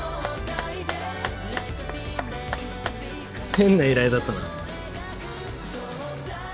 変な依頼だったな。